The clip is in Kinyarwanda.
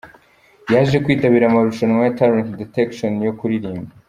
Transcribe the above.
Yaje kwitabira amarushanwa ya Talent Detection, yo kuririmba.